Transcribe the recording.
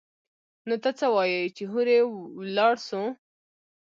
نو ته څه وايي چې هورې ولاړ سو؟